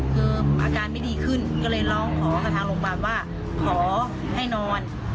คืออาการไม่ดีขึ้นก็เลยร้องขอกับทางโรงพยาบาลว่าขอให้นอน